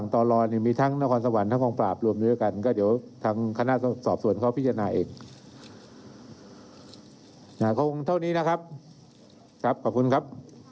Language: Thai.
ก็เท่านี้นะครับครับขอบคุณครับ